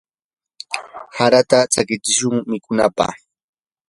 harata tsakichishun mikunapaq.